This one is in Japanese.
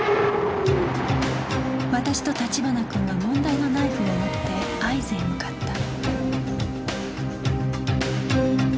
私と立花君は問題のナイフを持って会津へ向かった